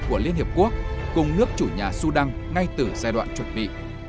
của liên hiệp quốc cùng nước chủ nhà sudan ngay từ giai đoạn chuẩn bị